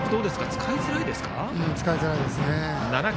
使いづらいですね。